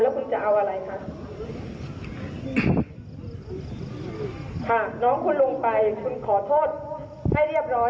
ค่ะน้องคุณลงไปขอโทษให้เรียบร้อย